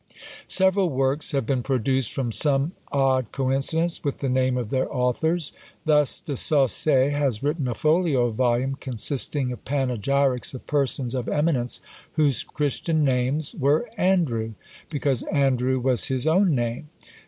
Several works have been produced from some odd coincidence with the name of their authors. Thus, De Saussay has written a folio volume, consisting of panegyrics of persons of eminence whose Christian names were Andrew; because Andrew was his own name.